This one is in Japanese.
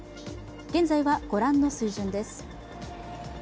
現在は、御覧の水準です。